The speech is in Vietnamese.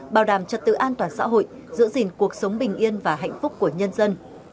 bảo đảm trật tự an toàn xã hội giữ gìn cuộc sống bình yên và hạnh phúc của nhân dân